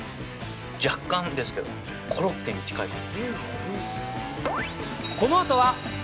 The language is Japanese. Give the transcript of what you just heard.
若干ですけど、コロッケに近いかも。